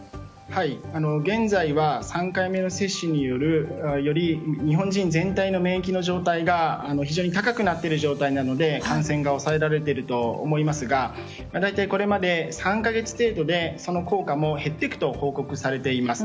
現在は３回目の接種によるより日本人全体の免疫の状態が非常に高くなっている状態なので感染が抑えられていると思いますが大体これまで３か月程度でその効果も減っていくと報告されています。